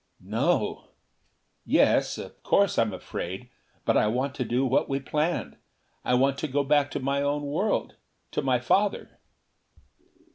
"No. Yes; of course I am afraid. But I want to do what we planned. I want to go back to my own world, to my Father."